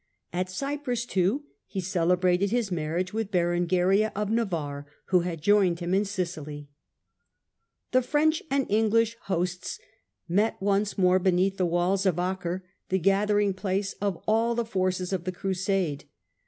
At Cyprus, too, he celebrated his marriage with Berengaria of Navarre, who had joined him in Sicily. The French and English hosts met once more beneath the walls of Acre, the gathering place of all the forces Siege of of the Crusadc.